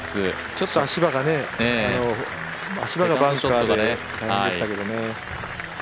ちょっと足場がバンカーだったり大変でしたけどね。